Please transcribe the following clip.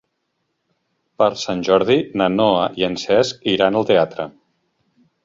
Per Sant Jordi na Noa i en Cesc iran al teatre.